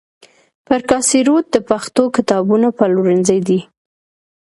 پر کاسي روډ د پښتو کتابونو پلورنځي دي.